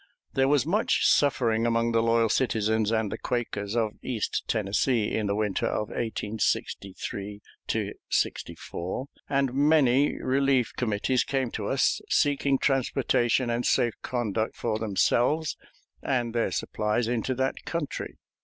There was much suffering among the loyal citizens and the Quakers of East Tennessee in the winter of 1863 '64, and many relief committees came to us seeking transportation and safe conduct for themselves and their supplies into that country.